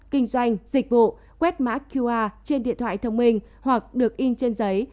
kinh doanh dịch vụ quét mã qr trên điện thoại thông minh hoặc được in trên giấy